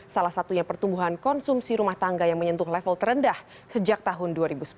salah satunya pertumbuhan konsumsi rumah tangga yang menyentuh level terendah sejak tahun dua ribu sepuluh